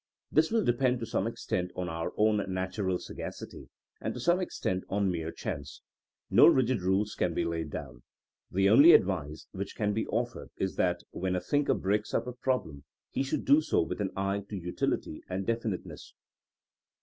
This will depend to some extent on our own natural sagacity, and to some extent on mere chance. No rigid rules can be laid down. The only advice which can be offered is that when a thinker breaks up a problem he should THINEINO AS A SCIENCE 47 do so with an eye to utility and definite ness.